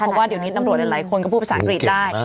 เพราะว่าเดี๋ยวนี้ตำรวจหลายคนก็พูดภาษาอังกฤษได้